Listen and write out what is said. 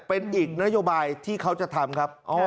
เป็นอีกนโยบายที่เขาจะทำครับ